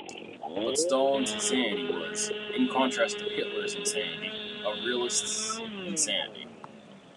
But Stalin's insanity was, in contrast to Hitler's insanity, a realist's insanity.